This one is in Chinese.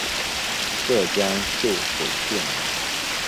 浙江秀水县人。